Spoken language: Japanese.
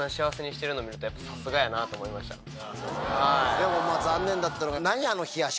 でも残念だったのが。